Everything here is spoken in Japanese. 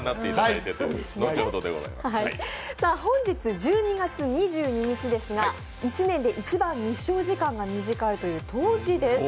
本日１２月２２日ですが１年で一番日照時間が短いという冬至です。